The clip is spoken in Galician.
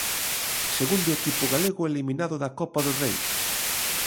Segundo equipo galego eliminado da Copa do Rei.